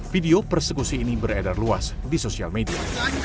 video persekusi ini beredar luas di sosial media